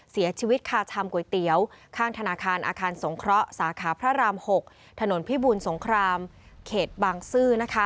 เสียชีวิตคาชามก๋วยเตี๋ยวข้างธนาคารอาคารสงเคราะห์สาขาพระราม๖ถนนพิบูลสงครามเขตบางซื่อ